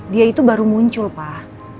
dia itu baru muncul pak